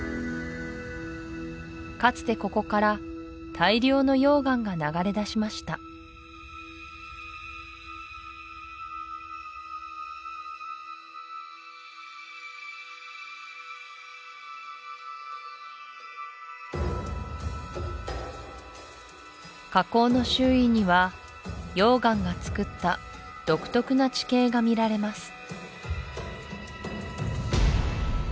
かつてここから大量の溶岩が流れ出しました火口の周囲には溶岩がつくった独特な地形が見られます